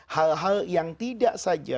hal hal yang tidak saja